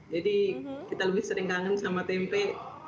kita lebih sering kangen sama tempe